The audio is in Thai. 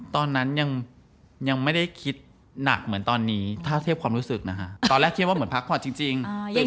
ตอนนั้นยังไม่ได้คิดหนักเหมือนตอนนี้ถ้าเทียบความรู้สึกนะฮะตอนแรกคิดว่าเหมือนพักผ่อนจริง